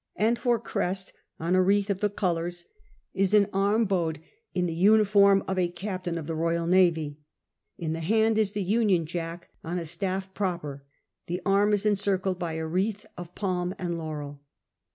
And for crest, on a wreath of *the colours, is an arm bowed, in the uniform of a Captain of the Royal Navy. In the hand is the Unitiii Jack on a stall' proper. The arm is encircled by a wreath of palm and laurel.